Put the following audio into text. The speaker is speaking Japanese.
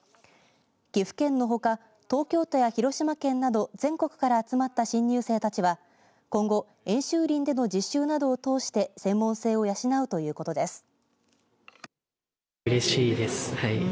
岐阜県のほか東京都や広島県など全国から集まった新入生たちは今後、演習林での実習などを通して専門性を養うということです。